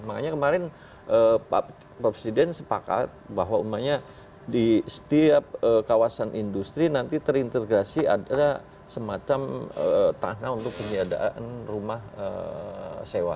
makanya kemarin pak presiden sepakat bahwa umpamanya di setiap kawasan industri nanti terintegrasi ada semacam tanah untuk penyiadaan rumah sewa